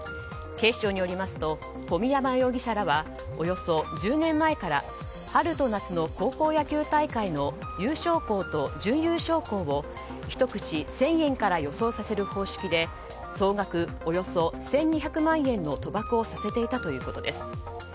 警視庁によりますと小宮山容疑者らはおよそ１０年前から春と夏の高校野球大会の優勝校と準優勝校を１口１０００円から予想させる方式で総額およそ１２００万円の賭博をさせていたということです。